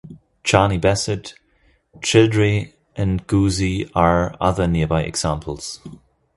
Charney Bassett, Childrey and Goosey are other nearby examples.